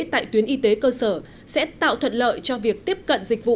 tại tuyến y tế cơ sở sẽ tạo thuận lợi cho việc tiếp cận dịch vụ